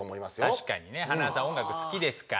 確かにね塙さん音楽好きですから。